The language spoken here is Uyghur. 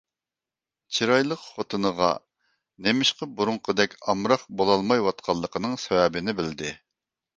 چىرايلىق خوتۇنىغا نېمىشقا بۇرۇنقىدەك ئامراق بولالمايۋاتقىنىنىڭ سەۋەبىنى بىلدى.